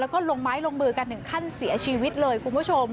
แล้วก็ลงไม้ลงมือกันถึงขั้นเสียชีวิตเลยคุณผู้ชม